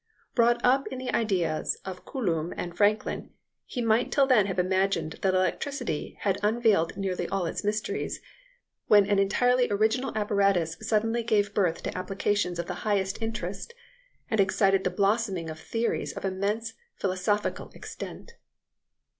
Brought up in the ideas of Coulomb and Franklin, he might till then have imagined that electricity had unveiled nearly all its mysteries, when an entirely original apparatus suddenly gave birth to applications of the highest interest, and excited the blossoming of theories of immense philosophical extent.